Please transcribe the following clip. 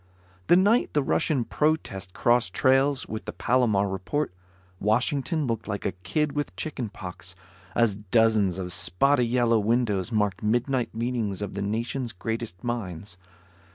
The night the Russian protest crossed trails with the Palomar report, Washington looked like a kid with chicken pox, as dozens of spotty yellow windows marked midnight meetings of the nation's greatest minds.